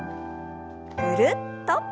ぐるっと。